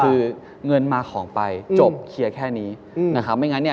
ซื้อมาขายไปเนี้ยคือเงินมาของไปอืมจบเคลียร์แค่นี้อืมนะครับไม่งั้นเนี้ย